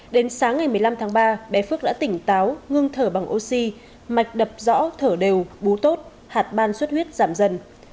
đến sáng ngày một mươi năm tháng ba bé phước đã tỉnh táo ngưng thở bằng oxy mạch đập rõ thở đều bú tốt hạt ban xuất huyết giảm dần